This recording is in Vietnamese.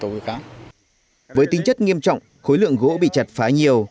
nên đối với tổng khối lượng gỗ bị chặt phá nhiều